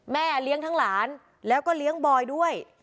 แม่เลี้ยงทั้งหลานแล้วก็เลี้ยงบอยด้วย